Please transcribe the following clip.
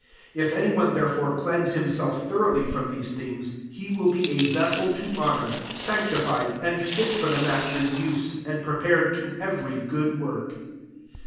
21 If any one, therefore, cleanse him self thoroughly from these things, he will be a Ycssel to honour, sanctified, [and'] fit for the master's use, and prepared to every good work.